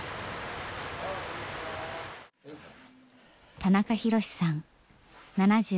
田中博さん７７歳。